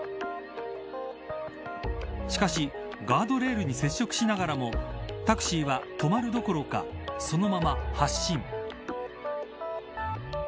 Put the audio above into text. しかしガードレールに接触しながらもタクシーは止まるどころかそのまま発進。